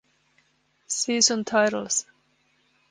Season titles